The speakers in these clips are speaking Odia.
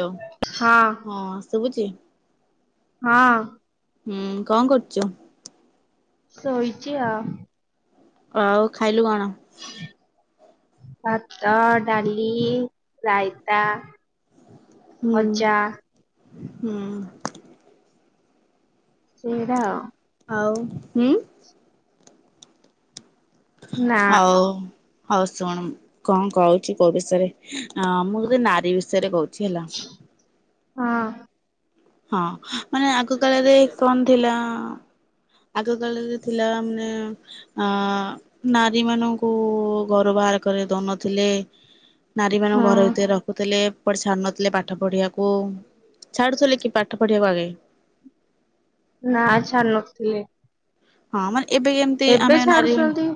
ହାଲ ହଁ ହଁ ଶୁଭୁଛି। ହଁ। ହୁଁ କଣ କରୁଛୁ? ଶୋଇଛି ଆଉ। ଆଉ ଖାଇଲୁ କଣ? ଭାତ ଡାଲି ରାଇତା ହୁଁ ଭଜା ହୁଁ। ସେଇଟା ଆଉ ଆଉ ହୁଁ ନା ଆଉ ହଉ ଶୁଣୁ କଣ କହୁଛି କୋଉ ବିଷୟରେ ମୁଁ ଯେ ନାରୀ ବିଷୟରେ କହୁଛି ହେଲା ହଁ। ହଁ ମାନେ ଆଗ କାଳରେ କଣ ଥିଲା ଆଗ କାଳରେ ଥିଲା ମାନେ ଆ ନାରୀ ମାନଙ୍କୁ ଘରୁ ବାହାର କରେଇ ଦଉନଥିଲେ। ନାରୀ ମାନଙ୍କୁ ହଁ ଘର ଭିତରେ ରଖୁଥିଲେ ଛାଡ଼ୁ ନଥିଲେ ପାଠ ପଢିବାକୁ ଛାଡୁଥିଲେ ପାଠ ପଢ଼ିବାକୁ ଆଗେ ନା ଛାଡ଼ି ନଥିଲେ। ହଁ ମାନେ ଏବେ କେମିତି ଏବେ ଆମେ ନାରୀ ଛାଡୁଛନ୍ତି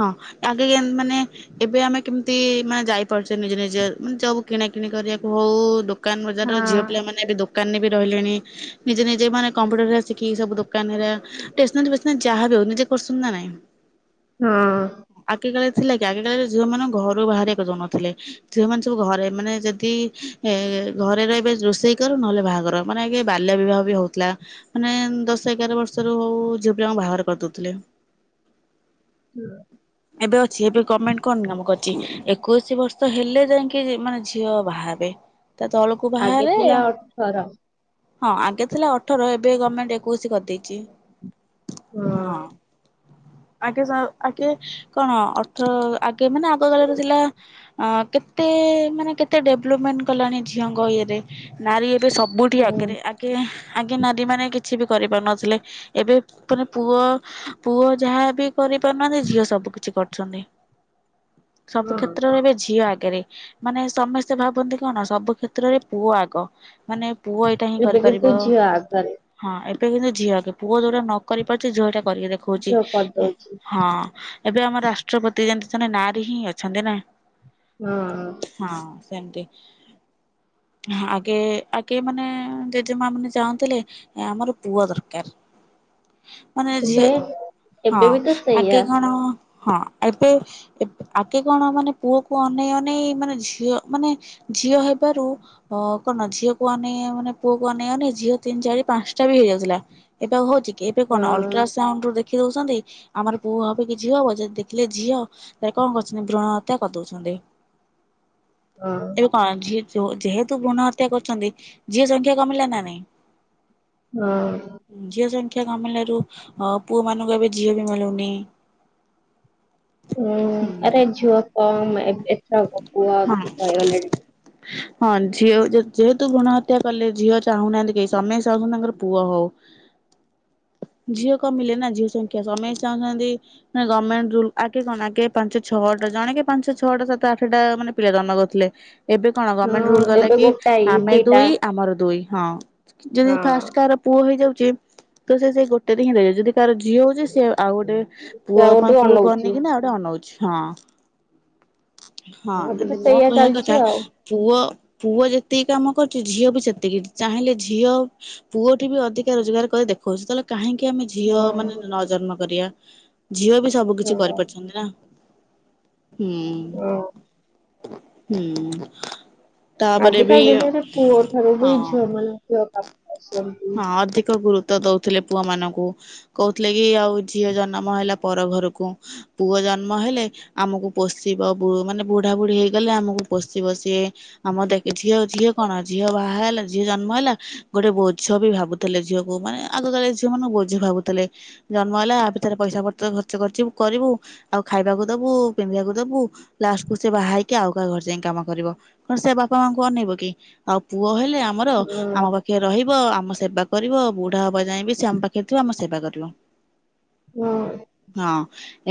ହଁ ଆଗେ କେମ୍ ମାନେ ଏବେ ଆମେ କେମିତି ମାନେ ଯାଇପାରୁଛେ ନିଜ ନିଜ ମାନେ ଯଉ କିଣା କିିଣି କରିବାକୁ ହୋଉ ଦୋକାନ ବଜାର ଝିଅ ହଁ ପିଲାମାନେ ଦୋକାନରେ ବି ରହିଲେଣି ନିଜେ ନିଜେ ମାନେ କମ୍ପୁଟର ଶିଖିକି ସବୁ ଦୋକାନ ହେରିକା ଷ୍ଟେସ୍ନାରୀ ଫେସ୍ନାରୀ ଯାହା ବି ଆଉ ନିଜେ କରୁଛନ୍ତି ନାଇଁ। ହଁ। ଆଗେ କାଳେ ଥିଲା କି ଆଗେ କାଳରେ ଝିଅ ମାନେ ଘରୁ ବାହାରିବାକୁ ଦଉନଥିଲେ। ଝିଅମାନେ ସବୁ ଘରେ ମାନେ ଯଦି ଏ ଘରେ ରହିବେ ରୋଷେଇ କର ନହେଲେ ବାହାଘର ମାନେ କି ବାଲ୍ୟ ବିବାହ ବି ହଉଥିଲା ମାନେ ଦଶ ଏଗାର ବର୍ଷରୁ ହୋଉ ହୋଉ ଝିଅ ପିଲାଙ୍କୁ ବାହାର କରିଦଉଥିଲେ। ହୁଁ। [inaudible] ଏବେ ଅଛି ଏବେ ଗଭର୍ଣମେଣ୍ଟ କଣ ନିୟମ କରିଛି ଏକୋଇଶି ବର୍ଷ ହେଲେ ଯାଇକି ମାନେ ଝିଅ ବାହାହେବେ ତା ତଳକୁ କୁ ଆଗେ ବାହାହେଲେ ଥିଲା ଅଠର ହଁ ଆଗେ ଥିଲା ଅଠର ଏବେ ଗଭର୍ଣମେଣ୍ଟ୍ ଏକୋଇଶି କରିଦେଇଛି। ହଁ। ଆଗେ ଆଗେ କଣ ଅଠର ଆଗେ ମାନେ ଆଗ କାଳରେ ଥିଲା। ଅଁ କେତେ ମାନେ କେତେ ଡେଭଲପମେଣ୍ଟ କଲାଣି ଝିଅଙ୍କ ଇଏରେ ନାରୀ ଉ ଏବେ ସବୁଠି ହୁଁ ଆଗରେ ଆଗେ ଆଗେ ନାରୀ ମାନେ କିଛି ବି କରିପାରୁନଥିଲେ। ଏବେ ମାନେ ପୁଅ ପୁଅ ଯାହାବି କରିପାରୁନାହାନ୍ତି ଝିଅ ସବୁ କିଛି କରୁଛନ୍ତି। ସବୁ ହଁ କ୍ଷେତ୍ରରେ ଏବେ ଝିଅ ଆଗରେ ମାନେ ସମସ୍ତେ ଭାବନ୍ତି କଣ ସବୁ କ୍ଷେତ୍ରରେ ପୁଅ ଆଗ ମାନେ ପୁଅ ଏଇଟା ହିଁ ଏବେ କିନ୍ତୁ କରିପାରିବ। ଝିଅ ଆଗରେ ହଁ ଏବେ କିନ୍ତୁ ଝିଅ ଆଗେ ପୁଅ ଯୋଉଟା ନ କରିପାରୁଛି ଝିଅ ହେଟା କରିକି ଦେଖାଉଛି। ଖଉଛି ଝିଅ କରିଦଉଛି ହଁ ଏବେ ଆମ ରାଷ୍ଟ୍ରପତି ଯେମିତି ଜଣେ ନାରୀ ହିଁ ଅଛନ୍ତି ନା ହଁ। ହଁ ସେମ୍ତି। ଆଗେ ଆଗେ ମାନେ ଜେଜେ ମା ମାନେ ଚାହୁଁଥିଲେ। ଆମର ପୁଅ ଦରକାର୍ ମାନେ ଝିଅ ଏବେ ହଁ ଏବେ ବି ତ ଆଗେ ସେଇଆ କଣ ହଁ ଏବେ ଆଗେ କଣ ମାନେ ପୁଅକୁ ଅନେଇ ଅନେଇ ମାନେ ଝିଅ ମାନେ ଝିଅ ହେବାରୁ ଅ କଣ ଝିଅ କୁ ଅନେଇ ମାନେ ପୁଅ କୁ ଅନେଇ ଝିଅ ତିନି ଚାରି ପାଞ୍ଚଟା ବି ହେଇଯାଉଥିଲା। ଏବେ ହଉଛି କି ଏବେ କଣ ହଁ ଅଲଟ୍ରା ସ୍କା ସାଉଣ୍ଡୁ ଦେଖି ଦେଉଛନ୍ତି ଆମର ପୁଅ ହେବ କି ଝିଅ ହେବ ଯଦି ଦେଖିଲେ ଝିଅ କଣ କରଛନ୍ତି ଭୃଣ ହତ୍ୟା କରିଦେଉଛନ୍ତି। ହଁ। ଏବେ କଣ ହେଲା ଯେହେତୁ ଭୃଣ ହତ୍ୟା କରୁଛନ୍ତି ଝିଅ ସଂଖ୍ୟା କମିଲା ନା ନାଇଁ। ହଁ। ଝିଅ ସଂଖ୍ୟା କମିଲାରୁ ଅ ପୁଅ ମାନଙ୍କୁ ଏବେ ଝିଅ ବି ମିଳୁନି। ହଁ ହୁଁ। ଆରେ ଝିଅ ପୁଅ ହଁ [unintelligible] ହଁ ଝିଅ ଯେହେତୁ ଭୃଣ ହତ୍ୟା କଲେ ଝିଅ ଚାହୁଁନାହାନ୍ତି କେହି ସମସ୍ତେ ଚାହୁଁଛନ୍ତି ତାଙ୍କର ପୁଅ ହଉ। ଝିଅ କମିଲେ ନା ଝିଅ ସଂଖ୍ୟା ସମେୟୀ ଚାହୁଁନାହାନ୍ତି। ନାଁ ଗଭର୍ଣ୍ଣମେଣ୍ଟ ରୁଲ୍ ଆଗେ କଣ ଆଗେ ପାଞ୍ଚ ଛଅଟା ଜଣେ ପାଞ୍ଚ ଛଅଟା ସାତ ଆଠଟା ମାନେ ପିଲା ଜନ୍ମ କରୁଥିଲେ। ଏବେ କଣ ଗଭର୍ଣମେଣ୍ଟ୍ ହଁ ରୁଲ୍ କଲା ଏବେ କି ଗୋଟାଏ ଆମେ ଦିଟା ଦୁଇ ଆମର ଦୁଇ। ହଁ ଯଦି ହଁ ଫାଷ୍ଟ କାର ପୁଅ ହେଇଯାଉଛି ତ ସେ ସେଇ ଗୋଟେରେ ହିଁ ରହିବେ ଯଦି କାହାର ଝିଅ ହଉଛି ସେଇ ଆଉ ଗୋଟେ ପୁଅ ସେଆକୁ ପାଇଁ ଟିକେ ପୁଅ ଅନେଇକନା ଅନଉଛି। କିି ନା ଆଉ ଗୋଟେ ଅନଉଛି ହଁ। ହଁ ଏବେ ତ ଯେମିତି ମୋ ସେଇଆ କହିବା କଥା ଚାଲିଛି ଆଉ ପୁଅ ପୁଅ ଯେତିକି କାମ କରୁଛି ଝିଅ ବି ସେତିକି ଚାହିଁଲେ ଝିଅ ପୁଅଟି ବି ଅଧିକା ରୋଜଗାର କରି ଦେଖାଉଛି ତାହେଲେ କାହିଁକି ଆମେ ଝିଅ ହୁଁ ମାନେ ନ ଜନ୍ମ କରିବା। ଝିଅ ବି ସବୁ କିଛି ହଁ। କରିପାରୁଛନ୍ତି ନା, ହଁ ହୁଁ। ହୁଁ। ତାପରେ ବି ଆଜିକାଲି ଦୁନିଆରେ ପୁଅ ଠାରୁ ବି ହଁ ଝଅମାନଙ୍କୁ [unintelligible] ହଁ ଅଧିକ ଗୁରୁତ୍ୱ ଦଉଥିଲେ ପୁଅ ମାନଙ୍କୁ କହୁଥିଲେ କି ଆଉ ଝିଅ ଜନ୍ମ ହେଲା ପର ଘରକୁ ପୁଅ ଜନ୍ମ ହେଲେ ଆମକୁ ପୋଷିବ ମାନେ ବୁଢ଼ା ବୁଢ଼ୀ ହେଇଗଲେ ଆମକୁ ପୋଷିବ ସିଏ। ଆମ ଦେଖେ ଝିଅ ଝିଅ କଣ ଝିଅ ବାହା ହେଲା ଝିଅ ଜନ୍ମ ହେଲା ଗୋଟେ ବହୁତ୍ ବୋଝ ବି ଭାବୁଥିଲେ ଝିଅକୁ ମାନେ ଆଗକାଳେ ଝିଅ ମାନଙ୍କୁ ବୋଝି ଭାବୁଥିଲେ। ଜନ୍ମ ହେଲା ଆ ପିଛାରେ ପଇସା ପର୍ତ ଖର୍ଚ୍ଚ କରିଥିବୁ କରିବୁ। ଆଉ ଖାଇବାକୁ ଦବୁ ପିନ୍ଧିବାକୁ ଦବୁ ଲାଷ୍ଟକୁୁ ସେ ବାହା ହେଇକି ଆଉ କାହା ଘରେ ଯାଇ କାମ କରିବ। କଣ ସେ ବାପା ମାଙ୍କୁ ଅନେଇବ କି ଆଉ ପୁଅ ହେଲେ ଆମ୍ ଆମର ହଁ ଆମ ପାଖେ ରହିବ ଆମ ସେବା କରିବ ବୁ ବୁଢ଼ା ହବା ଯାଇଁବି ସେ ଆମ ପାଖରେ ଥିବ ଆମ ସେବା କରିବ ହଁ ହଁ।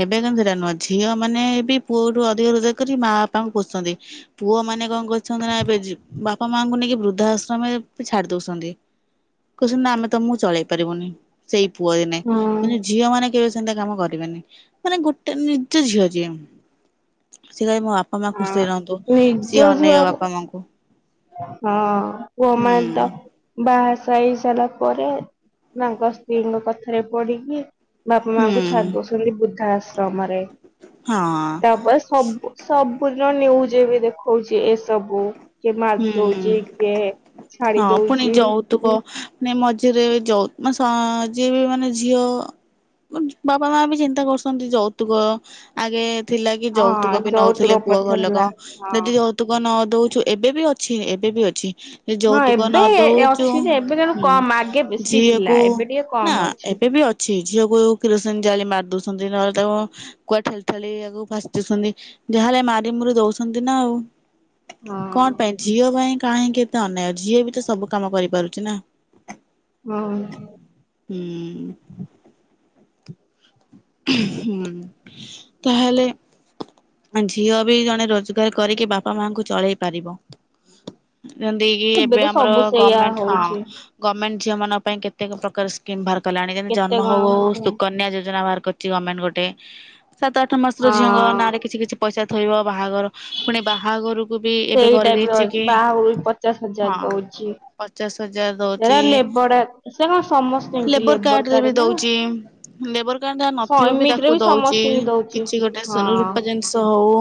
ଏବେ କିନ୍ତୁ ସେଇଟା ନୁହଁ ଝିଅ ମାନେ ବି ପୁଅଠୁ ଅଧିକ ରୋଜାର କରି ମା ବାପାଙ୍କୁ ପୋଷୁଛନ୍ତି। ପୁଅ ମାନେ କଣ କରଛନ୍ତି ନା ଏବେ ଜି ବାପା ମାଆଙ୍କୁ ନେଇକି ବୃଦ୍ଧା ଆଶ୍ରମରେ ବି ଛାଡ଼ି ଦଉଛନ୍ତି। କହୁଛନ୍ତି ନା ଆମେ ତମକୁ ଚଳେଇ ପାରିବୁନି ସେଇ ପୁଅ ଏନେ ହଁ। କିନ୍ତୁ ଝିଅ ମାନେ କେବେ ସେମିତିଆ କାମ କରିବେନି। ମାନେ ଗୋଟେ ନିଜ ଝିଅ ଝିଏ ସେ କହି ମୋ ବାପା ବାପା ମା ଆ ଖୁସିରେ ରହନ୍ତୁ ନିଜ ସିଏ ଅନେଇବ ଝିଅର ବାପା ମାଆଙ୍କୁ। ହଁ କୁହ ମା ତ ବା ସାଇ ସାରିଲା ପରେ ମାଙ୍କ ସ୍ତ୍ରୀଙ୍କ କଥାରେ ପଡ଼ିକି ବାପା ହୁଁ ମାଙ୍କୁ ଛାଡି଼ ଦଉଛନ୍ତି ବୃଦ୍ଧା ଆଶ୍ରମରେ ହଁ ତାପରେ ସବୁ ସବୁଦିନ ନିୁଜ ବି ଦେଖଉଛି ଏସବୁ। କିଏ ମାରି ହୁଁ ଦଉଛି କିଏ ଛାଡି ହଁ ପୁଣି ଦଉଛି ଯୋଉତୁକ ନାଇଁ ମଝିରେ ଯଉ ମାନେ ସ ଯିଏ ବି ମାନେ ଝିଅ ବାପା ମା ବି ଚିନ୍ତା କରୁଛନ୍ତି ଯୌତୁକ ଆଗେ ଥିଲା କି ହଁ ଯୌତୁକ ବି ଯୌତୁକ ନଉଥିଲେ ପୁଅ ପ୍ରଥା ଘରଲୋକ ଥିଲା ହଁ। ଯଦି ଯୌତୁକ ନ ଦଉଛୁ ଏବେ ବି ଅଛି ଏବେ ବି ଅଛି। ହଁ ଯୌତୁକ ନ ଏବେ ଦଉଛୁଁ ଅଛି ଯେ ଏବେ କିନ୍ତୁ କମ ଆଗେ ବେଶୀ ଥିଲା ଝିଅକୁ ଏବେ ଟିକେ ନା କମ ଅଛି। ଏବେ ବି ଅଛି ଛି ଝିଅକୁ କିରୋସିନ ଜାଲି ମାରି ଦଉଛନ୍ତି ନହେଲେ ତାକୁ କୁଆ ଠେଲି ଠାଲି ଆକୁ ଭାସି ଦଉଛନ୍ତି ଯାହା ହେଲେ ମାରି ମୁରି ଦଉଛନ୍ତି ନା ଆଉ। ହଁ। କଣ ପାଇଁ ଝିଅ ପାଇଁ କାହିଁକି ଏତେ ଅନ୍ୟାୟ ଝିଅ ବି ତ ସବୁ କାମ କରିପାରୁଛି ନା। ହଁ। ହୁଁ। ହୁଁ ତାହେଲେ ଝିଅ ବି ଜଣେ ରୋଜଗାର କରିକି ବାପା ମାଆଙ୍କୁ ଚଳେଇ ପାରିବ। ଯେମିତି କି ତ ଏବେ ଆମର ସବୁ ସେଇଆ ଗଭର୍ଣମେଣ୍ଟ୍ ହଁ। ହଉଛି। ଗଭର୍ଣ୍ଣମେଣ୍ଟ ଝିଅଙ୍କ ପାଇଁ କେତେ ପ୍ରକାର ସ୍କିମ୍ ବାହାରଲାଣି ଯେମିତି କେତେ ଜନ୍ମ କଣ ହଉ ହଉ ସୁକନ୍ୟା ଯୋଜନା ଯୋଜନା ବାହାର କରିଛି ଗମେଣ୍ଟ୍ ଗୋଟେ ସାତ ଆଠ ମାସର ଝିଅଙ୍କ ହଁ। ନାଁରେ କିଛି କିଛି ପଇସା ଥୋଇବ ବାହାଘର ପୁଣି ବାହାଘରୁକୁ। କୁ ବି ଏବେ ସେଇଟା ବି ଅ କରିଦେଇଛି କି ବାହାଘରକୁ ବି ପଚାଶ ହଜାର ହଁ। ଦଉଛି। ପଚାଶ୍ ହଜାର ହେରା ଦଉଛି ଲେବର ସେ କଣ ସମସ୍ତିଙ୍କି ଲେବର କାର୍ଡରେ କାର୍ଡ ବି ନା ଦଉଛି ଲେବର୍ ତା ସ ନଥିବ ବି ଏମିତିରେ ତାକୁ ଦଉଛି ସମସ୍ତିଙ୍କି ଦଉଛି କିଛି ଗୋଟେ ସୁନା ହଁ ରୂପା ଜିନିଷ ହଉ।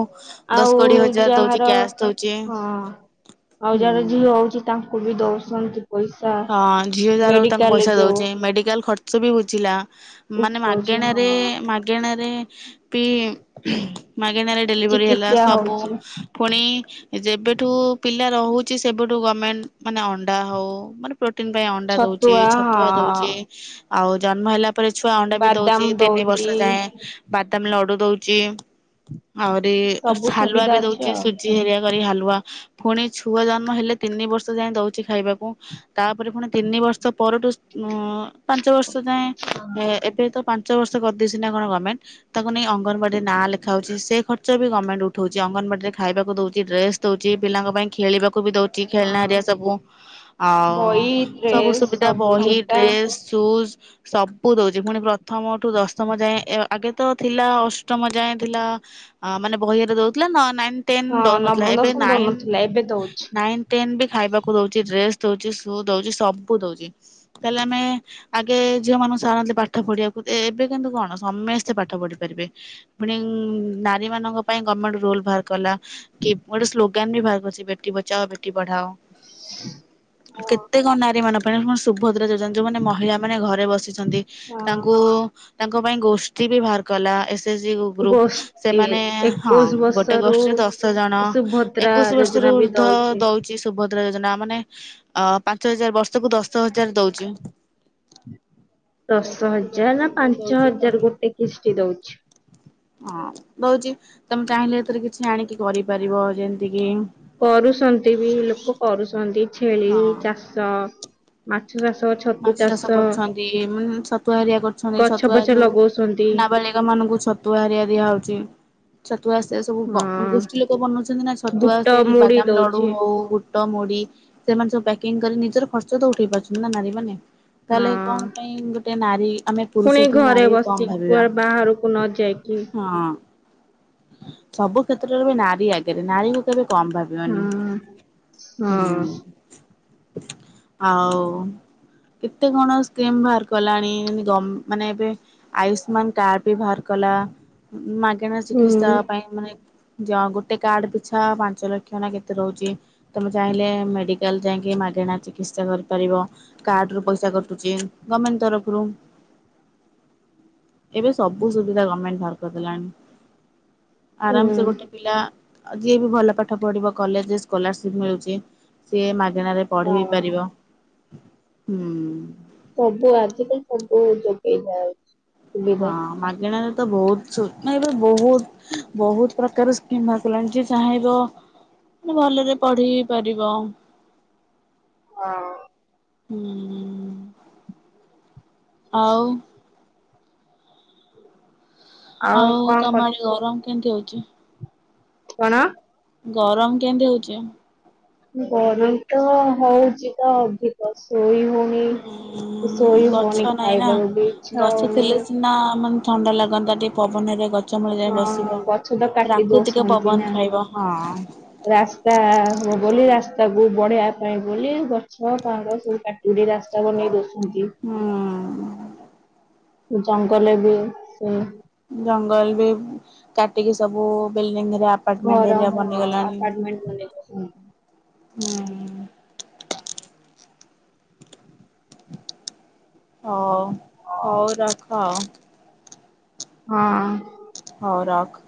ଦଶ ଆଉ କୋଡିଏ ହଜାର ଦଉଛି ଯାହାର କ୍ୟାସ୍ ଦଉଛି ହଁ ଆଉ ଯାହାର ହୁଁ। ଝିଅ ହଉଛି ତାଙ୍କୁ। କୁ ବି ଦଉଶନ୍ତି ପଇସା ହଁ ଝିଅ ଯାହାର ତାଙ୍କୁ ମେଡିକାଲରେ ପଇସା ଯୋଉ ଦଉଛେ ମେଡିକାଲ ଖର୍ଚ୍ଚ ବି ବୁଝିଲା। ମାନେ ଉଠଉଛି ମାଗେଣାରେ ହଁ ମାଗ ମାଗେଣାରେ ବି ମାଗେଣାରେ ଡେଲିଭରି ହେଲା ଚିକିତ୍ସା ସବୁ। ହଉଛି। ପୁଣି ଯେବେଠୁ ପିଲା ରହୁଛି ସେବେଠୁ ଗମେଣ୍ଟ୍ ମାନେ ଅଣ୍ଡା ହଉ ମାନେ ପ୍ରୋଟିନ୍ ପାଇଁ ଅଣ୍ଡା ଦଉଛି ଛତୁଆ ଛତୁଆ ଦଉଛି ହଁ ଆଉ ଜନ୍ମ ହେଲା ତା ପରେରେ ଛୁଆ ଅଣ୍ଡା ବି ବାଦାମ ଦଉଛି ତିନି ବର୍ଷ ଦଉଚି। ଯାଏ ବାଦାମ ଲଡ଼ୁ ଦଉଛି। ଆହୁରି ସବୁ ହାଲୁଆ ସୁବିଧା ବି ଅଛି ଦଉଛି ଆଉ ସୁଜି ହେରିଆ କରି ହାଲୁଆ ପୁଣି ଛୁଆ ଜନ୍ମ ହେଲେ ତିନି ବର୍ଷ ଯାଏ ଦଉଛି ଖାଇବାକୁ। ତାପରେ ପୁଣି ତିନି ବର୍ଷ ପରଠୁ ପାଞ୍ଚ ବର୍ଷ ଯାଏଁ ଏବେ ତ କଣ ପାଞ୍ଚ ବର୍ଷ କରିଦେଇଚି ନା କଣ ଗଭର୍ଣମେଣ୍ଟ। ତାକୁ ନେଇ ଅଙ୍ଗନବାଡି଼ରେ ନାଁ ଲେଖା ହାଉଛି ସେ ଖର୍ଚ୍ଚ ବି ଗଭର୍ଣ୍ଣମେଣ୍ଟ ଉଠଉଛି ଅଙ୍ଗନବାଡି ରେ ଖାଇବାକୁ ଦଉଛି ଡ୍ରେସ୍ ଦଉଛି ପିଲାଙ୍କ ପାଇଁ ଖେଳିବାକୁ ବି ଦଉଛି ଖେଳନା ହଁ ଏଆ ସବୁ ଆଉ। ବହି ହଁ ସବୁ ଡ୍ରେସ୍ ସୁବିଧା ସବୁ ବହି ଜୋତା। ଡ୍ରେସ୍ ସୁଜ୍ ସବୁ ଦଉଛି ପୁଣି ପ୍ରଥମ ଠୁ ଦଶମ ଯାଏଁ ଆଗେ ତ ଥିଲା ଅଷ୍ଟମ ଯାଏଁ ଥିଲା। ମାନେ ବହିରେ ଦଉଥିଲା ନାଇ ଟେନ୍ ହଁ ଦଉ ନଥିଲା ନବମ ଏବେ ଦଶମ ନାଇ ଦଉନଥିଲା ଏବେ ଦଉଛି। ଟେନ ବି ଖାଇବାକୁ ଦଉଛି ଡ୍ରେସ୍ ଦଉଛି ସୁ ଦଉଛି ସବୁ ଦଉଛି। ତାହେଲେ ଆମେ ଆଗେ ଝିଅ ମାନଙ୍କୁ ସାରନ୍ତି ପାଠ ପଢିବାକୁ ଏବେ କିନ୍ତୁ କଣ ସମେସ୍ତେ ପାଠ ପଢି଼ ପାରିବେ। ପୁଣି ନାରୀ ମାନଙ୍କ ପାଇଁ ଗଭର୍ଣମେଣ୍ଟ ରୁଲ୍ ବାହାର କଲା। କିପ୍ ଗୋଟେ ସ୍ଲୋଗାନ୍ ବି ବାହାର ଅଛି ବେଟି ବଚାଅ ବେଟି ପଢାଅ। କେତେ କଣ ନାରୀ ମାନଙ୍କ ପାଇଁ କଣ ସୁଭଦ୍ରା ଯୋଜନା ଯୋଉମାନେ ମହିଳା ମାନେ ଘରେ ବସିଛନ୍ତି ହଁ ତାଙ୍କୁ ତାଙ୍କ ପାଇଁ ଗୋଷ୍ଠୀ ବି ବାହାର କଲା ଏ ଯେ ଗ୍ରୁପ୍ ଗୋଷ୍ଠୀ ସେମାନେ ହଁ ଏକୋଇଶି ଗୋଟେ ବର୍ଷରୁ ଗୋଷ୍ଠୀ ରେ ଦଶ ଜଣ। ସୁଭଦ୍ରା ଏକୋଇଶି ବର୍ଷରୁ ଯୋଜନା ବି ଉର୍ଦ୍ଧ୍ୱ ଦଉଛି ସୁଭଦ୍ରା ଯୋଜନା ମାନେ। ଅ ପାଞ୍ଚ ହଜାର୍ ବର୍ଷକୁ ଦଶ ହଜାର୍ ଦଉଚି। ଦଶ ଦଶ ହଜାର୍ ନା ହଜାର ପାଞ୍ଚ ଦଉଛି ହଜାର ତମେ ଗୋଟେ କିସ୍ତି ଦଉଛି। ହଁ ଦଉଛି ତମେ ଚାହିଁଲେ ଏଥିରେ କିଛି ଆଣିକି କରିପାରିବ ଯେମତି କିି କରୁଛନ୍ତି ବି ଲୋକ କରୁଛନ୍ତି ଛେଳି ହଁ ଚାଷ। ମାଛ ଚାଷ ଛତୁ ମାଛ ଚାଷ କରୁଛନ୍ତି ମେ ଛତୁଆ ହେରିଆ କରୁଛନ୍ତି ଗଛ ସତୁଆ ଫଛ ଯୋଉ ଲଗଉଛନ୍ତି ନାବାଳିକା [unintelligible] ମାନଙ୍କୁ ଛତୁଆ ହାରିଆ ଦିଆ ହଉଛି। ଛତୁଆ ଆସେ ସବୁ ହଁ ଗୋଷ୍ଠୀ ଲୋକ ବନଉଛନ୍ତି ନା ଛତୁଆ ବୁଟ ଆସେ ମୁଢି ବାଦାମ ଲଡୁ ଦଉଛି ହଉ ମ ସେମାନେ ସବୁ ପ୍ୟାକିଂ କରି ନିଜର ଖର୍ଚ୍ଚ ତ ଉଠେଇ ପାରୁଛନ୍ତି ନା ନାରୀ ମାନେ। ତାହେଲେ କଣ ହଁ ପାଇଁ ଗୋଟେ ନାରୀ ଆମେ ପୁଣି ପୁରୁଷ ଠୁ ଘରେ ନାରୀ କଣ ବସିକି ଭାବିବା। କୁଆଡେ ବାହାରକୁ ନ ଯାଇକି ହଁ ସବୁ କ୍ଷେତ୍ରରେ ନାରୀ ଆଗରେ ନାରୀ କି କେବେ କମ ଭାବି ହଁ ହଁ ହୁଁ ଆଉ କେତେ କଣ ସ୍କିମ ବାହାର କଲାଣି ଗମ୍ ମାନେ ଏବେ ଆୟୁଷ୍ମାନ କାର୍ଡ ବି ବାହାର କଲା ମାଗେଣା ହୁଁ ଚିକିତ୍ସା ପାଇଁ। ମାନେ ଯ ଗୋଟେ କାର୍ଡ ପିଛା ପାଞ୍ଚ ଲକ୍ଷ ନା କେତେ ରହୁଛି। ତମେ ଚାହିଁଲେ ମେଡିକାଲ ଯାଇଁକି ମାଗେଣା ଚିକିତ୍ସା କରିପାରିବ। କାର୍ଡ଼ ରୁ ପଇସା କଟୁଛି ଗଭର୍ଣମେଣ୍ଟ୍ ତରଫରୁ। ଏବେ ସବୁ ସୁବିଧା ଗଭର୍ଣମେଣ୍ଟ ବହାର କରିଦେଲାଣି ହୁଁ। ଆରାମ୍ ସେ ଗୋଟେ ପିଲା ଯିଏ ବି ଭଲ ପାଠ ପଢିବ କଲେଜରେ ସ୍କଲାର ସିପ ମିଳୁଛି। ସିଏ ମାଗଣାରେ ପଢି ବିି ହଁ ପାରିବ ହୁଁ ସବୁ ଆଜିକାଲି ସବୁ ଯୋଗେଇ ଦିଆଉଛି। ହଁ ମାଗଣାରେ ତ ବହୁତ [inaudible] ଏବେ ବହୁତ ବହୁତ ପ୍ରକାର ସ୍କିମ୍ ଆସିଲାଣି ଚାହିଁବ। ଭଲରେ ପଢି ବି ପାରିବ। ହଁ ହୁଁ, ଆଉ ଆଉ କଣ ତମ ଆଡେ କରୁଛୁ ଗରମ କେମତି ହଉଛି? କଣ? ଗରମ କେମିତି ହଉଛି? ଗରମ ତ ହଉଚି ତ ଅଧିକ ଶୋଇ ହଉ ହଁ ଗଛ ନାଇଁ ନା ଖାଇବାକୁ ବି ଇଚ୍ଛା ଗଛ ହଉନି। ଥିଲେ ସିନା ମା ଥଣ୍ଡା ଲାଗନ୍ତା ଟିକେ ପବନରେ ଗ ଛ ମୂଳେ ଯାଏ ହଁ ବସିବ ଗଛ ତ କାଟି ପ୍ରାକୃତିକ ଦଉଛନ୍ତି ନା। ପବନ ଖାଇବ ହଁ। ରାସ୍ତା ବୋଲି ରାସ୍ତାକୁ ବଢେଇିବା ପାଇଁ ବୋଲି ଗଛ ପାହାଡ଼ ସବୁ କାଟି ଚୁଡ଼ି ରାସ୍ତା ବନେଇଦୋଉଛନ୍ତି। ହଁ ଜଙ୍ଗଲ ବି ସେ ଜଙ୍ଗଲ ବି କାଟିକି ସବୁ ବିଲଡିଙ୍ଗରେ ଆ ଘର ହଁ ଆପାର୍ଟମେଣ୍ଟ ବନେଇଦୋଉଛନ୍ତି। ହୁଁ ହଁ ହଉ ରଖ। ହଁ ହଉ ରଖ।